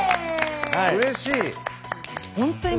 うれしい！